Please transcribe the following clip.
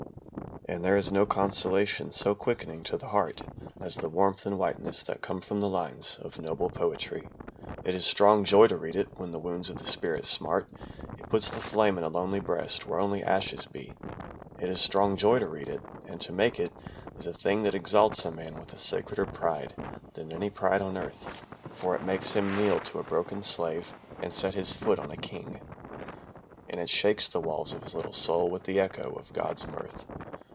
"And there is no consolation so quickening to the heart As the warmth and whiteness that come from the lines of noble poetry. It is strong joy to read it when the wounds of the spirit smart, It puts the flame in a lonely breast where only ashes be. It is strong joy to read it, and to make it is a thing That exalts a man with a sacreder pride than any pride on earth. For it makes him kneel to a broken slave and set his foot on a king, And it shakes the walls of his little soul with the echo of God's mirth.